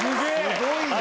すごいな。